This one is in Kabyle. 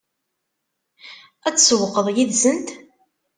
Ad tsewwqeḍ yid-sent?